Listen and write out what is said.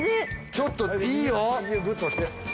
ちょっといいよ。